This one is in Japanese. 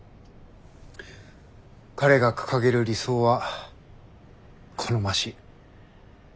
彼が掲げる理想は好ましい。